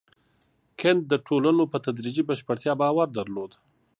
کنت د ټولنو په تدريجي بشپړتيا باور درلود.